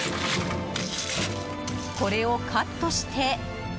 これをカットして。